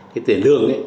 cái tiền lương